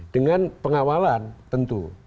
dengan pengawalan tentu